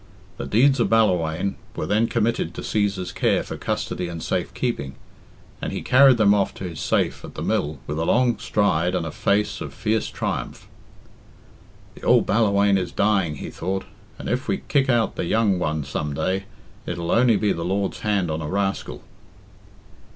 The deeds of Ballawhaine were then committed to Cæsar's care for custody and safe keeping, and he carried them off to his safe at the mill with a long stride and a face of fierce triumph. "The ould Ballawhaine is dying," he thought; "and if we kick out the young one some day, it'll only be the Lord's hand on a rascal."